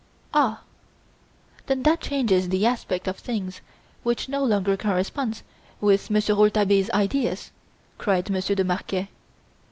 "Ah! then that changes the aspect of things which no longer corresponds with Monsieur Rouletabille's ideas!" cried Monsieur de Marquet.